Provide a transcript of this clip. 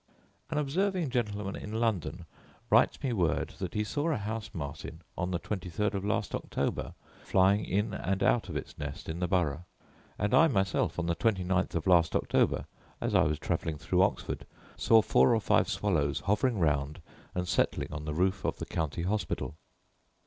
An observing gentleman in London writes me word that he saw a house martin, on the twenty third of last October, flying in and out of its nest in the Borough. And I myself, on the twenty ninth of last October (as I was travelling through Oxford), saw four or five swallows hovering round and settling on the roof of the county hospital.